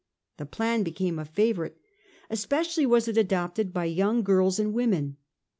The plan became a favourite. Especially was it adopted by young girls and women.